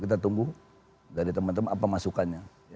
kita tunggu dari teman teman apa masukannya